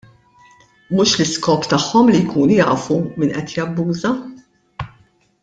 Mhux l-iskop tagħhom li jkunu jafu min qed jabbuża.